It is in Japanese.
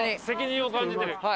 責任を感じてる。